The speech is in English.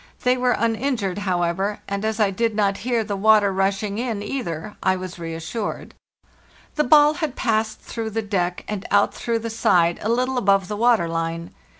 They were uninjured, however, LAND AT LAST 395 and as I did not hear the water rushing in either I was reassured. The ball had passed through the deck and out through the side a little above the water line.